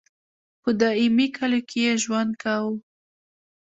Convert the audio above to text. په دایمي کلیو کې یې ژوند کاوه.